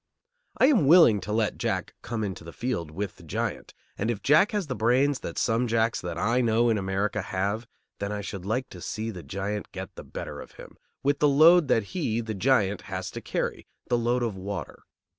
I am willing to let Jack come into the field with the giant, and if Jack has the brains that some Jacks that I know in America have, then I should like to see the giant get the better of him, with the load that he, the giant, has to carry, the load of water.